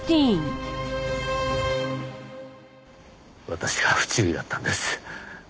私が不注意だったんです。